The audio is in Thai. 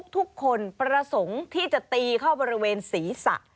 ทุกคนประสงค์ที่จะตีเข้าบริเวณศีรษะ